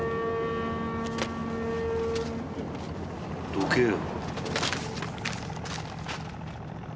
どけよ。